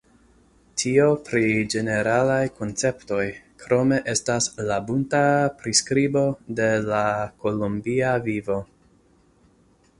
Tio pri ĝeneralaj konceptoj; krome estas la bunta priskribo de la kolombia vivo.